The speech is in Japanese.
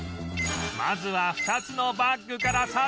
まずは２つのバッグから査定